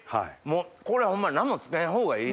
これホンマに何もつけん方がいいです。